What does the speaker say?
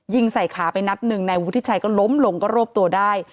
ยิงใส่ขาไปนัดหนึ่งนายวุฒิชัยก็ล้มลงก็รวบตัวได้